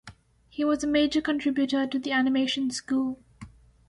He was a major contributor to the Animation School.